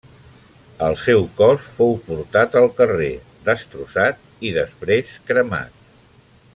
El seu cos fou portat al carrer, destrossat i després cremat.